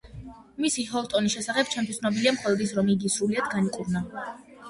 მისის ჰილტონის შესახებ ჩემთვის ცნობილია მხოლოდ ის, რომ იგი სრულიად განიკურნა.